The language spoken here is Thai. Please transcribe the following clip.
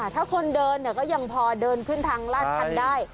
ถ้าคนเดินเนี่ยก็ยังพอเดินขึ้นทางรอดท่านได้